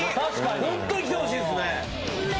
本当に来てほしいですね。